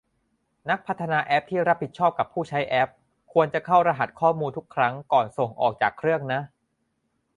นักพัฒนาแอปที่รับผิดชอบกับผู้ใช้แอป ควรจะเข้ารหัสข้อมูลทุกครั้งก่อนส่งออกจากเครื่องนะ